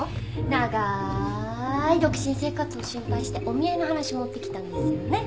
長い独身生活を心配してお見合いの話持ってきたんですよね？